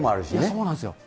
そうなんですよ。